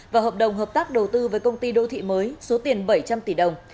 và hợp đồng hợp tác đầu tư với công ty đô thị mới số tiền bảy trăm linh tỷ đồng